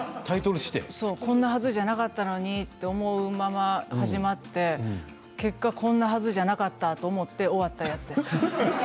こんなはずじゃなかったのにと思うまま始まって結果こんなはずじゃなかったというまま終わったんです。